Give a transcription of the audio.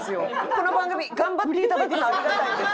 この番組頑張っていただくのありがたいんですけど。